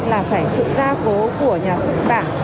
là phải sự gia cố của nhà xuất bản